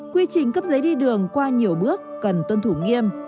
quy trình cấp giấy đi đường qua nhiều bước cần tuân thủ nghiêm